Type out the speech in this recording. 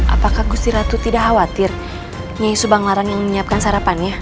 apakah gusti ratu tidak khawatir nyai subanglarang yang menyiapkan sarapannya